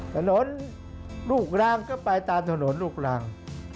ถนนลูกรังก็ไปตามถนนลูกรัง